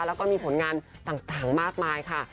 แล้วก็มีผลงานต่างมากมายค่ะ